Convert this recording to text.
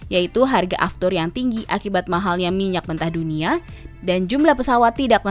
yaitu harga aftur yang tinggi akibat mahalnya minyak mentah dunia dan jumlah pesawat tidak mahal